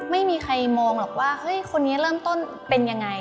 ไม่มีใครมองหรอกว่าเฮ้ยคนนี้เริ่มต้นเป็นยังไง